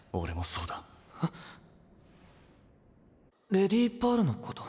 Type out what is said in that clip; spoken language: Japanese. レディパールのこと？